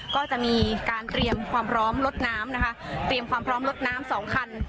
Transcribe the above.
ก็จะมีการเตรียมความพร้อมลดน้ำนะคะเตรียมความพร้อมลดน้ำสองคัน